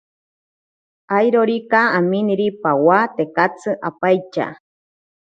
Airorika aminiri pawa tekatsi ampaitya.